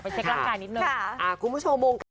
ไปเช็คร่างกายนิดหนึ่ง